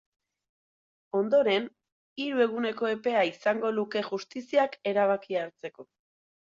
Ondoren, hiru eguneko epea izango luke justiziak erabakia hartzeko.